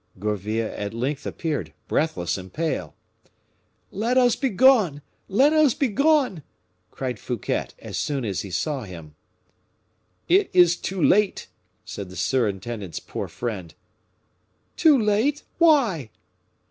Gourville at length appeared, breathless and pale. "Let us be gone! Let us be gone!" cried Fouquet, as soon as he saw him. "It is too late!" said the surintendant's poor friend. "Too late! why?"